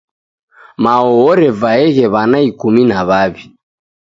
Mao orevaeghe w'ana ikumi na w'awi.